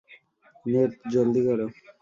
Net, জলদি করো!